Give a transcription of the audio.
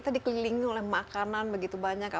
kita dikelilingi oleh makanan begitu banyak